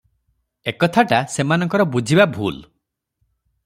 ଏକଥାଟା ସେମାନଙ୍କର ବୁଝିବା ଭୁଲ ।